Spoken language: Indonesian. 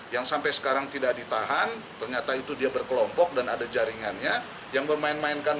yang sampai sekarang tidak ditahan ternyata itu dia berkelompok dan ada jaringannya yang bermain mainkan